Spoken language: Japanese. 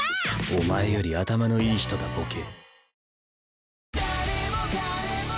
お前より頭のいい人だボケ。